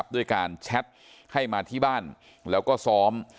ด้วยการแชทให้มาที่บ้านแล้วก็ซ้อม